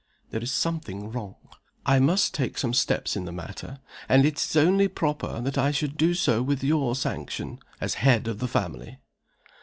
There is something wrong. I must take some steps in the matter and it is only proper that I should do so with your sanction, as head of the family."